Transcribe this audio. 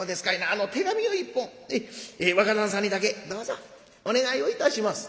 あの手紙を１本若旦さんにだけどうぞお願いをいたします」。